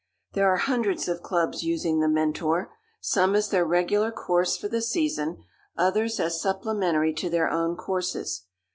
There are hundreds of clubs using The Mentor some as their regular course for the season, others as supplementary to their own courses.